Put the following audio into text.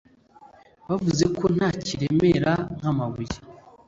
bavuze ko nta kiremera nk’amabuye